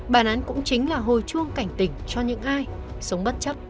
bản án cũng chính là hồi chuông cảnh tỉnh cho những ai sống bất chấp